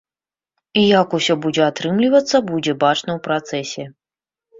Як усё будзе атрымлівацца, будзе бачна ў працэсе.